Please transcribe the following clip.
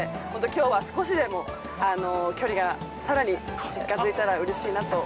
きょうは少しでも、距離がさらに近づいたらうれしいなと。